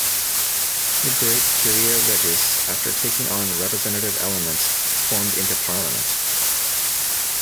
The great "curia regis" after taking on representative elements formed into Parliament.